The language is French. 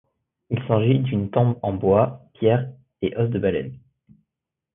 Il s'agit d'une tombe en bois, pierres et os de baleine.